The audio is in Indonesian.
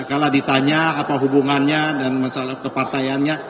kalau ditanya apa hubungannya dan masalah kepartaiannya